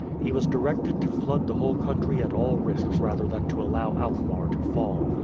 He was directed to flood the whole country at all risks rather than to allow Alkmaar to fall.